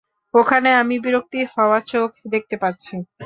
ওখানে আমি বিরক্তি হওয়া চোখ দেখতে পাচ্ছি।